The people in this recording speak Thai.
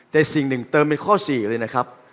แต่สิ่งหนึ่งเติมเป็นข้อ๔เลยนะครับ